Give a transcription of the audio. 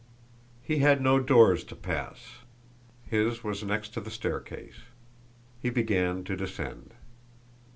He had no doors to pass his was next to the staircase. He began to descend.